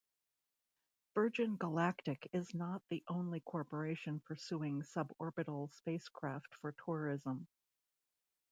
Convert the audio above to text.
Virgin Galactic is not the only corporation pursuing suborbital spacecraft for tourism.